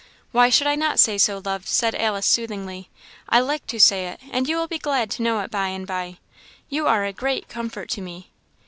"Why should I not say so, love?" said Alice, soothingly. "I like to say it, and you will be glad to know it by and by. You are a great comfort to me."